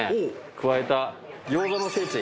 加えた餃子の聖地